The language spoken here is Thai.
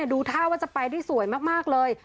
ดูท่าว่าจะไปได้สวยมากเลย